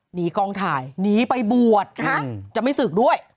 หนีกองถ่ายหนีไปบวชจะไม่ศึกด้วย